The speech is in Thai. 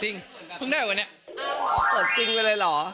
จริงเพิ่งได้วันนี้